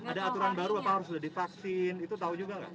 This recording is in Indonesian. ada aturan baru apa harus sudah divaksin itu tahu juga nggak